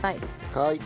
はい。